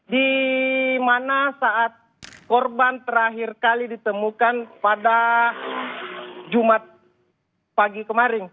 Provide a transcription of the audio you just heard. di mana saat korban terakhir kali ditemukan pada jumat pagi kemarin